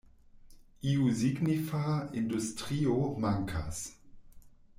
Iu signifa industrio mankas.